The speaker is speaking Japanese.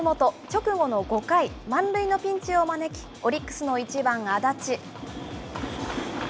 直後の５回、満塁のピンチを招き、オリックスの１番安達。